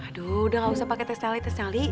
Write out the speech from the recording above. aduh udah gak usah pake tes nyali tes nyali